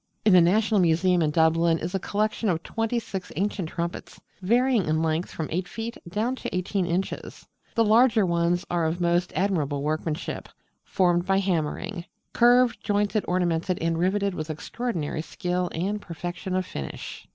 In the National Museum in Dublin is a collection of twenty six ancient trumpets, varying in length from 8 feet down to 18 inches. The larger ones are of most admirable workmanship, formed by hammering; curved, jointed, ornamented, and riveted with extraordinary skill and perfection of finish.